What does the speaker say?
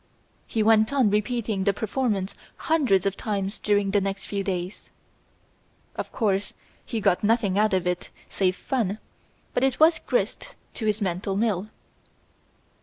He went on repeating the performance hundreds of times during the next few days. Of course, he got nothing out of it, save fun, but it was grist to his mental mill.